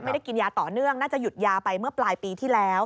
กินยาต่อเนื่องน่าจะหยุดยาไปเมื่อปลายปีที่แล้ว